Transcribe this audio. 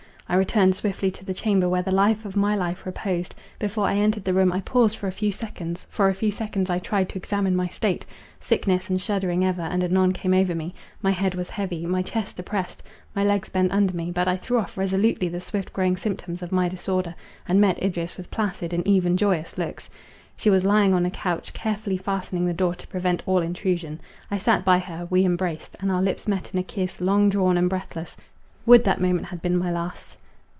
I returned swiftly to the chamber where the life of my life reposed; before I entered the room I paused for a few seconds; for a few seconds I tried to examine my state; sickness and shuddering ever and anon came over me; my head was heavy, my chest oppressed, my legs bent under me; but I threw off resolutely the swift growing symptoms of my disorder, and met Idris with placid and even joyous looks. She was lying on a couch; carefully fastening the door to prevent all intrusion; I sat by her, we embraced, and our lips met in a kiss long drawn and breathless—would that moment had been my last!